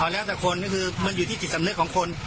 แล้วแต่คนก็คือมันอยู่ที่จิตสำนึกของคน